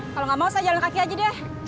kalau nggak mau saya jalan kaki aja deh